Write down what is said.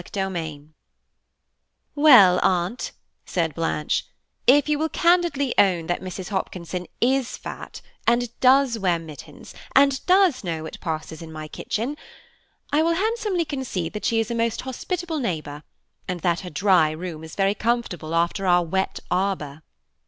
CHAPTER VI "WELL, Aunt," said Blanche, "if you will candidly own that Mrs. Hopkinson is fat, and does wear mittens, and does know what passes in my kitchen, I will handsomely concede that she is a most hospitable neighbour, and that her dry room is very comfortable after our wet arbour."